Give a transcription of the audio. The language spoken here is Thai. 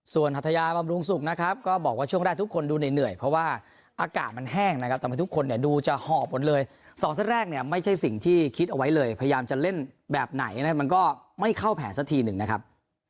ส่วนฮัทยาบำรุงสุขนะครับก็บอกว่าช่วงแรกทุกคนดูเหนื่อยเหนื่อยเพราะว่าอากาศมันแห้งนะครับ